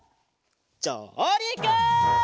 じょうりく！